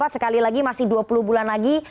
sekali lagi masih dua puluh bulan lagi